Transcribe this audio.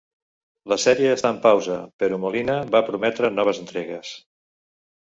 La sèrie està en pausa, però Molina va prometre noves entregues.